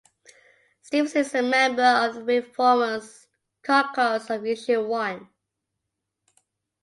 Stevenson is a member of the ReFormers Caucus of Issue One.